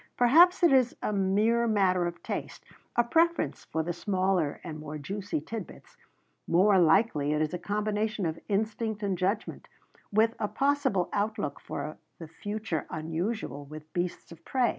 Perhaps it is a mere matter of taste, a preference for the smaller and more juicy tidbits; more likely it is a combination of instinct and judgment, with a possible outlook for the future unusual with beasts of prey.